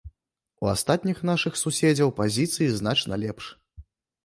У астатніх нашых суседзяў пазіцыі значна лепш.